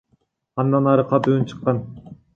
Андан ары катуу үн чыккан.